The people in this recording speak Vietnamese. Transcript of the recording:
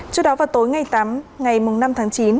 trước đó vào tối ngày tám ngày năm tháng chín